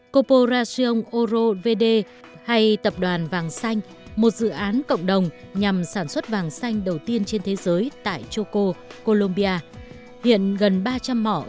corporación oro vd hay tập đoàn vàng xanh một dự án cộng đồng nhằm sản xuất vàng xanh đầu tiên trên thế giới tại choco colombia hiện gần ba trăm linh mỏ ở choco đã tham gia dự án này